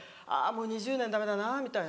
もう２０年ダメだなみたいな。